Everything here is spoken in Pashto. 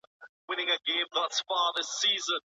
ولي کوښښ کوونکی د پوه سړي په پرتله بریا خپلوي؟